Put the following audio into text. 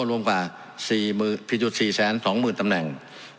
รวมกว่า๔๔๒๐๐๐ตำแหน่ง